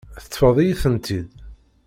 Teṭṭfeḍ-iyi-tent-id.